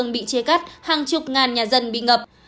bị chia cắt hàng chục ngàn nhà dân bị ngập